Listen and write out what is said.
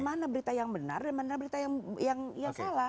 mana berita yang benar dan mana berita yang salah